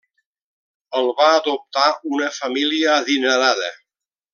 El va adoptar una família adinerada.